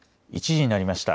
１時になりました。